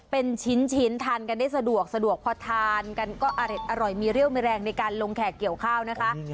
เป็นชิ้นทานกันได้สะดวกสะดวกพอทานกันก็อร่อยมีเรี่ยวมีแรงในการลงแขกเกี่ยวข้าวนะคะ